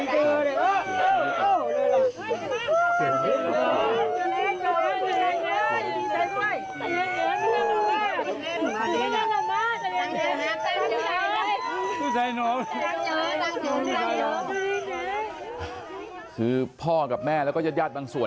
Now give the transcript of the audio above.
คือพ่อกับแม่แล้วก็ญาติบางส่วน